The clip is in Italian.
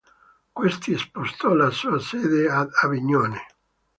Questi spostò la sua sede ad Avignone.